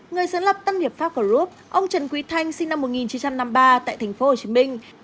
người dẫn lập tân hiệp pháp group ông trần quý thanh sinh năm một nghìn chín trăm năm mươi ba tại tp hcm